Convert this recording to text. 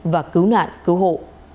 và cứu nạn cứu hộ